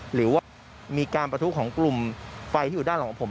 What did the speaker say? หรือว่ามีการประทุของกลุ่มไฟที่อยู่ด้านหลังของผม